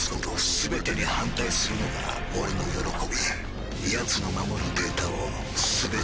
全てに反対するのが俺の喜びやつの守るデータを全て奪うのだ！